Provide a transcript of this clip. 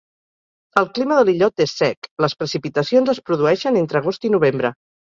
El clima de l'illot és sec, les precipitacions es produeixen entre agost i novembre.